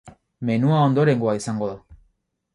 Menua ondorengoa izango da.